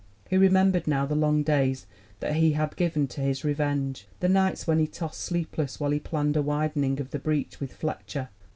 He remembered now the long days that he had given to his revenge, the nights when he had tossed sleepless while he planned a widen ing of the breach with Fletcher.